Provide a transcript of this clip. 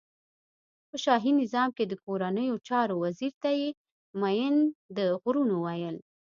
په شاهی نظام کی د کورنیو چارو وزیر ته یی مین د غرونو ویل.